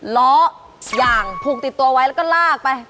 ล้ออย่างผูกติดตัวไว้แล้วก็ลากไป